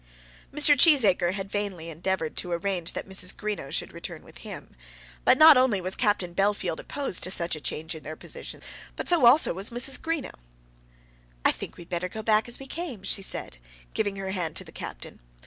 Mr. Cheesacre had vainly endeavoured to arrange that Mrs. Greenow should return with him. But not only was Captain Bellfield opposed to such a change in their positions, but so also was Mrs. Greenow. "I think we'd better go back as we came," she said, giving her hand to the Captain.